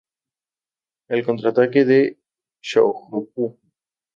El contraataque de Shohoku!